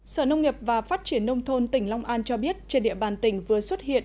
sở nông nghiệp và phát triển nông thôn tỉnh long an cho biết trên địa bàn tỉnh vừa xuất hiện